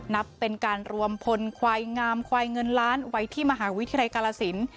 นับเป็นการรวมพลควายงามควายเงินล้านไว้ที่มหาวิทยาลัยกาลสิน